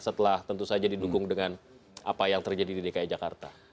setelah tentu saja didukung dengan apa yang terjadi di dki jakarta